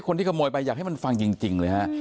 คนที่ขโมยไปอยากให้มันฟังจริงเลยฮะ